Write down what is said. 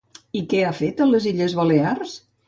I què ha fet a les Illes Balears?